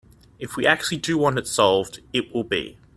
If we actually do want it solved, it will be.